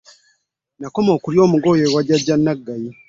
Nakoma okulya ku mugoyo wa jjajja Naggayi.